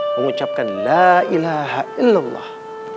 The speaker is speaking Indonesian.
mengucapkan la ilaha illallah